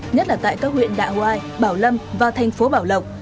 nhất là tại các huyện đạ hoai bảo lâm và thành phố bảo lộc